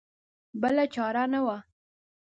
بله چاره نه وه.